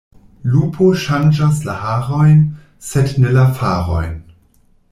Lupo ŝanĝas la harojn, sed ne la farojn.